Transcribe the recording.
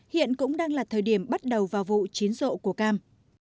hiện cũng đang là thời điểm bắt đầu vào vụ chín rộ của cam